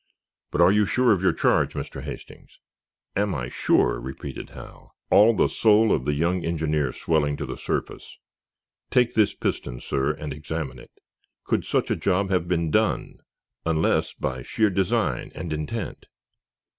But are you sure of your charge, Mr. Hastings?" "Am I sure?" repeated Hal, all the soul of the young engineer swelling to the surface. "Take this piston, sir, and examine it. Could such a job have been done, unless by sheer design and intent?"